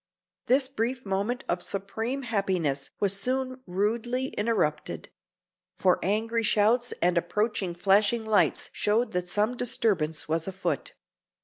This brief moment of supreme happiness was soon rudely interrupted; for angry shouts and approaching flashing lights showed that some disturbance was afoot.